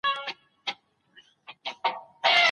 دولتي پوهنتون په زوره نه تحمیلیږي.